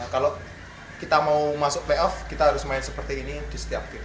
kalau kita mau masuk playoff kita harus main seperti ini di setiap tim